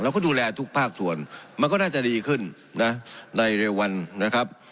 ดูแลทุกภาคส่วนมันก็น่าจะดีขึ้นนะในเร็ววันนะครับ